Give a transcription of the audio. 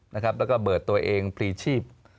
แล้วก็เบิดตัวเองพลีชีพ